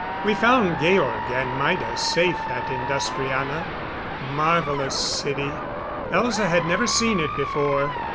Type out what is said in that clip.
We found Georg and Maida safe at Industriana. Marvelous city! Elza had never seen it before.